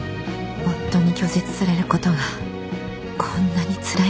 夫に拒絶されることがこんなにつらいなんて